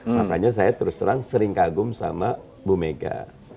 makanya saya terus terang sering kagum sama bu mega